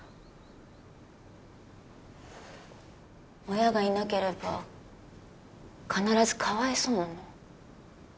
親がいなければ必ずかわいそうなの？